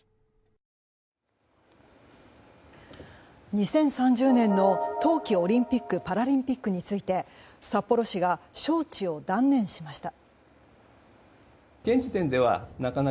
２０３０年の冬季オリンピック・パラリンピックについて札幌市が招致を断念しました。